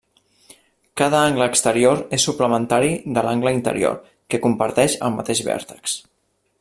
Cada angle exterior és suplementari de l'angle interior que comparteix el mateix vèrtex.